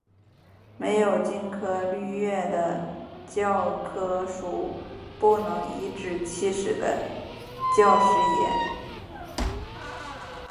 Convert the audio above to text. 没有金科绿玉的教科书，不做颐使气指的教师爷